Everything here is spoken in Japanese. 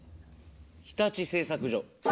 日立製作所。